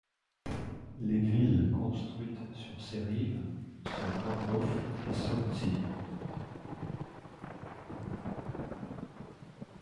Les villes construites sur ses rives sont Porkhov et Soltsy.